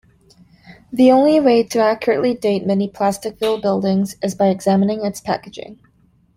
The only way to accurately date many Plasticville buildings is by examining its packaging.